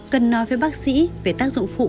cần nói với bác sĩ về tác dụng phụ